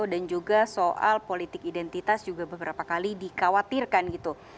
dan juga soal politik identitas juga beberapa kali dikhawatirkan gitu